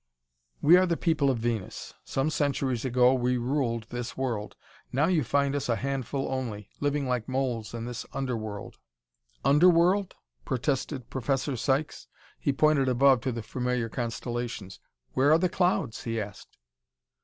"We are the people of Venus. Some centuries ago we ruled this world. Now you find us a handful only, living like moles in this underworld." "Underworld?" protested Professor Sykes. He pointed above to the familiar constellations. "Where are the clouds?" he asked.